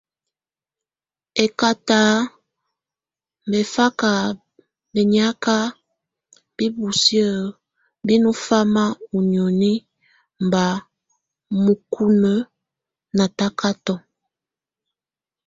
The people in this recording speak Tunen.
Ekatabɛfakǎ bɛniaka bɛ busiə bɛnɔ fama ɔ nioni mba mukunə natakat.